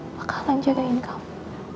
bakalan jagain kamu